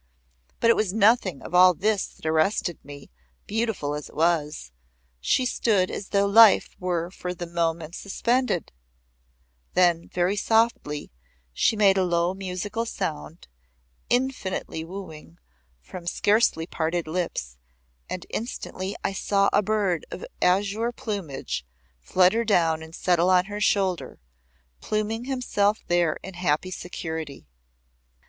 But it was nothing of all this that arrested me, beautiful as it was. She stood as though life were for the moment suspended; then, very softly, she made a low musical sound, infinitely wooing, from scarcely parted lips, and instantly I saw a bird of azure plumage flutter down and settle on her shoulder, pluming himself there in happy security.